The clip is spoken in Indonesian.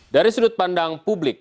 dari sudut pandang publik